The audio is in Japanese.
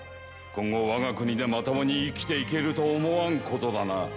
今後我が国でまともに生きていけると思わんことだな。